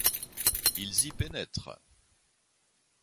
Ils y pénètrent.